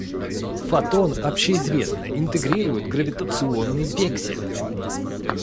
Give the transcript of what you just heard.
Фотон, общеизвестно, интегрирует гравитационный вексель.